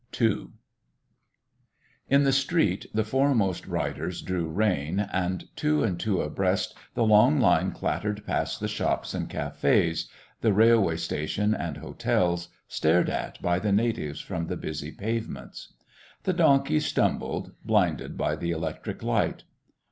2 In the street the foremost riders drew rein, and, two and two abreast, the long line clattered past the shops and cafés, the railway station and hotels, stared at by the natives from the busy pavements. The donkeys stumbled, blinded by the electric light.